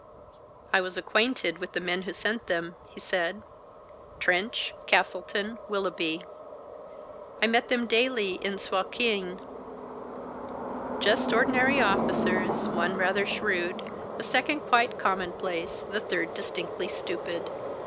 "I was acquainted with the men who sent them," he said, "Trench, Castleton, Willoughby. I met them daily in Suakin, just ordinary officers, one rather shrewd, the second quite commonplace, the third distinctly stupid.